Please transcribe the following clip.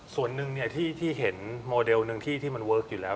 ส่วนหนึ่งที่เห็นโมเดลหนึ่งที่มันเวิร์คอยู่แล้ว